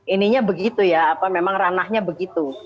ininya begitu ya apa memang ranahnya begitu